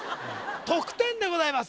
得点でございます